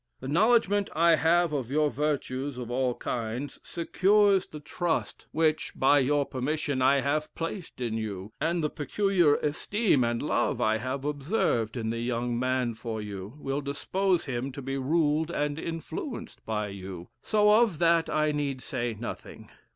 The knowledge I have of your virtues of all kinds, secures the trust, which, by your permission, I have placed in you; and the peculiar esteem and love I have observed in the young man for you, will dispose him to be ruled and influenced by you, so of that I need say nothing.